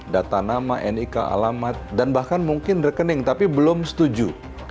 data nama nik alamat dan bahkan mungkin rekening tapi belum setuju